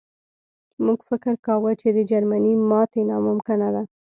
موږ فکر کاوه چې د جرمني ماتې ناممکنه ده